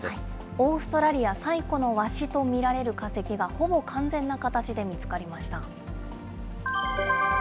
オーストラリア最古のワシと見られる化石がほぼ完全な形で見つかりました。